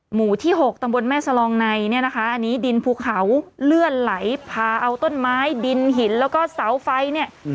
หมู่ที่หกตำบลแม่สลองในเนี่ยนะคะอันนี้ดินภูเขาเลื่อนไหลพาเอาต้นไม้ดินหินแล้วก็เสาไฟเนี่ย